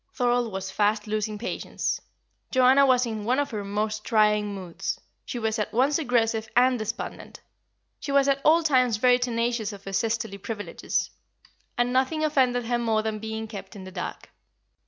Thorold was fast losing patience. Joanna was in one of her most trying moods; she was at once aggressive and despondent. She was at all times very tenacious of her sisterly privileges, and nothing offended her more than being kept in the dark.